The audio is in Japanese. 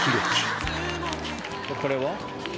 これは？